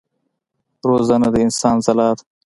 روزنه د انسان ځلا ده.